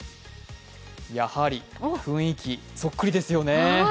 やはり雰囲気そっくりですよね。